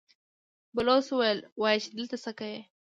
بلوڅ وويل: وايي چې دلته څه کوئ؟